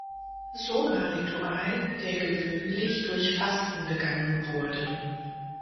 Soma-Ritual, der gewöhnlich durch Fasten begangen wurde.